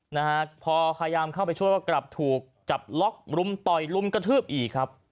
นะฮะพอพยายามเข้าไปช่วยก็กลับถูกจับล็อกรุมต่อยรุมกระทืบอีกครับ